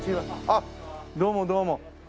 あっどうもどうも。